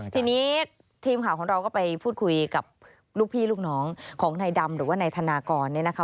ทีนี้ทีมข่าวของเราก็ไปพูดคุยกับลูกพี่ลูกน้องของนายดำหรือว่านายธนากรเนี่ยนะคะ